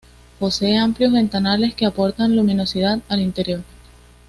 Posee amplios ventanales que aportan luminosidad al interior.